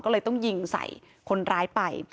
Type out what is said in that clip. ก็เลยต้องยิงใส่คนร้ายไป